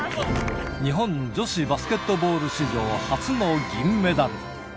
日本女子バスケットボール史上初の銀メダル。